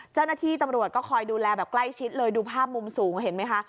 เจ้าหน้าที่ตำรวจก็คอยดูแลแบบใกล้ชิดเลยดูภาพมุมสูงเห็นไหมคะ